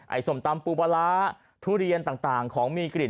ส้มตำปูปลาร้าทุเรียนต่างของมีกลิ่น